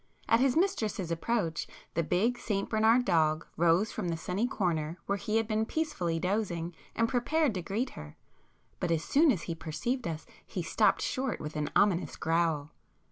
At his mistress's approach the big St Bernard dog rose from the sunny corner where he had been peacefully dozing, and prepared to greet her,—but as soon as he perceived us he stopped short with an ominous growl.